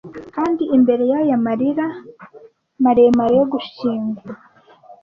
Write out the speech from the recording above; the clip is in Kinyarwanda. kandi imbere yaya marira maremare yo gushyingura